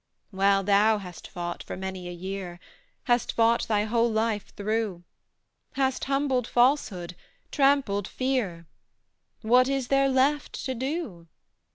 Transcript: "Well, thou hast fought for many a year, Hast fought thy whole life through, Hast humbled Falsehood, trampled Fear; What is there left to do?